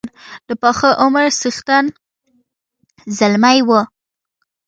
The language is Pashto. د پاخه عمر څښتن زلمی وو.